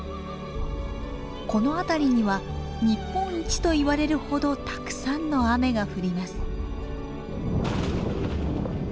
この辺りには日本一と言われるほどたくさんの雨が降ります。